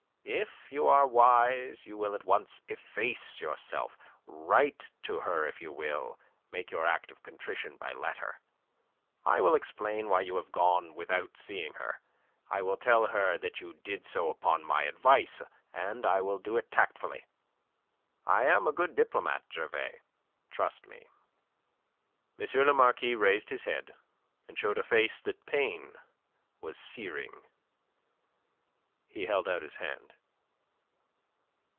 "If you are wise you will at once efface yourself. Write to her if you will make your act of contrition by letter. I will explain why you have gone without seeing her. I will tell her that you did so upon my advice, and I will do it tactfully. I am a good diplomat, Gervais. Trust me." M. le Marquis raised his head, and showed a face that pain was searing. He held out his hand.